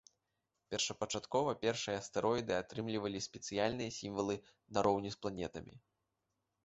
Першапачаткова першыя астэроіды атрымлівалі спецыяльныя сімвалы нароўні з планетамі.